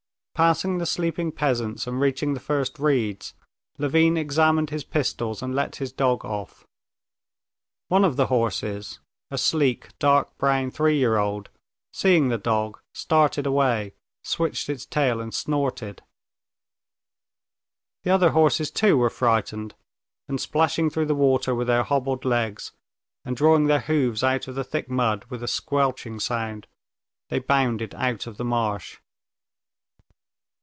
Passing the sleeping peasants and reaching the first reeds, Levin examined his pistols and let his dog off. One of the horses, a sleek, dark brown three year old, seeing the dog, started away, switched its tail and snorted. The other horses too were frightened, and splashing through the water with their hobbled legs, and drawing their hoofs out of the thick mud with a squelching sound, they bounded out of the marsh.